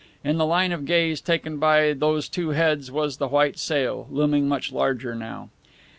In the line of gaze taken by those two heads was the white sail, looming much larger now.